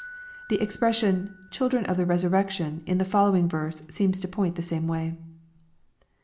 The expression, " children of the resurrection," in the following verse, seems to point the same way.